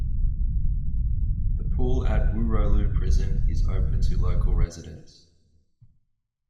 The pool at Wooroloo Prison is open to local residents.